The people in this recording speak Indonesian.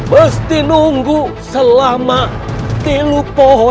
resiko tolonglah aku sekali ini saja